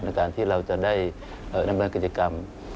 ในการที่เราจะได้ดำเนินกิจกรรม